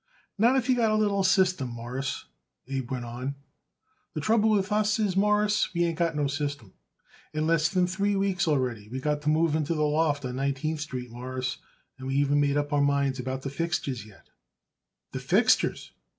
"Not if you got a little system, Mawruss," Abe went on. "The trouble with us is, Mawruss, we ain't got no system. In less than three weeks already we got to move into the loft on Nineteenth Street, Mawruss, and we ain't even made up our minds about the fixtures yet." "The fixtures!"